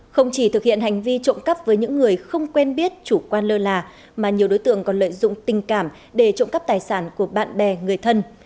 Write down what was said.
không chỉ thực hiện hành vi trộm cắp với những người không quen biết chủ quan lơ là mà nhiều đối tượng còn lợi dụng tình cảm để trộm cắp tài sản của bạn bè người thân